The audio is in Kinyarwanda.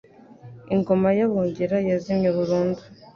Ingoma y'Abongera yazimye burundu.